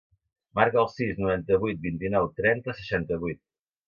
Marca el sis, noranta-vuit, vint-i-nou, trenta, seixanta-vuit.